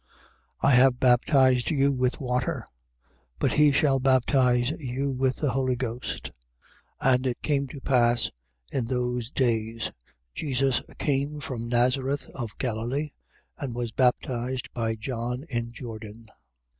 1:8. I have baptized you with water: but he shall baptize you with the Holy Ghost. 1:9. And it came to pass, in those days, Jesus came from Nazareth of Galilee and was baptized by John in Jordan.